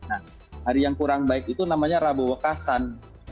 nah hari yang kurang baik itu namanya rabo wekasan